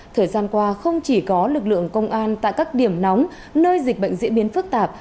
thời gian qua không chỉ có lực lượng công an tại các điểm nóng nơi dịch bệnh diễn biến phức tạp